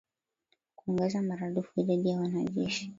kuongeza maradufu idadi ya wanajeshi